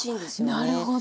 あなるほど。